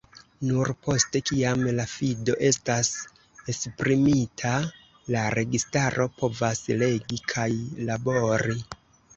Nur poste, kiam la fido estas esprimita, la registaro povas regi kaj labori.